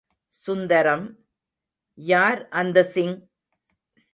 சுந்தரம், யார் அந்த சிங்?